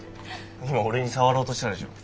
今俺に触ろうとしたでしょ。